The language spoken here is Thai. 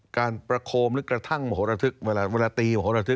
การประโคมหรือกระทั่งโหระทึกเวลาตีหัวระทึ